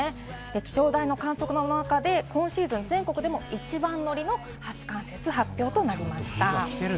気象台の観測の中で、今シーズン、全国でも一番乗りの初冠雪発表となりました。